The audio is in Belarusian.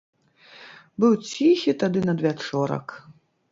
Быў ціхі тады надвячорак.